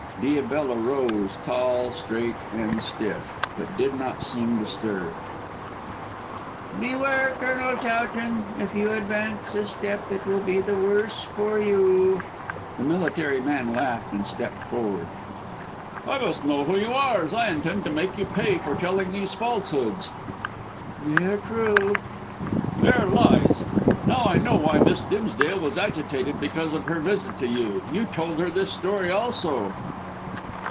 Diabella rose, tall and straight and stiff, but did not seem disturbed. "Beware, Colonel Towton. If you advance a step it will be the worse for you." The military man laughed and stepped forward. "I must know who you are, as I intend to make you pay for telling these falsehoods." "They are true." "They are lies. Now I know why Miss Dimsdale was agitated because of her visit to you. You told her this story also."